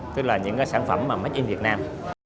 tức là những cái sản phẩm mà make in việt nam